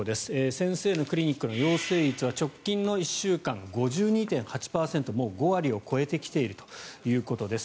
先生のクリニックの陽性率は直近の１週間５２．８％もう５割を超えてきているということです。